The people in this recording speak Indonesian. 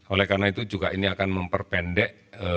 oleh karena itu juga ini akan memperpendek